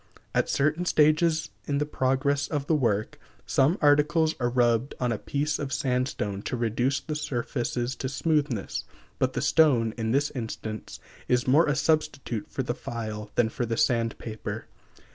At certain stages in the progress of the work, some articles are rubbed on a piece of sandstone to reduce the surfaces to smoothness; but the stone, in this instance, is more a substitute for the file than for the sand paper.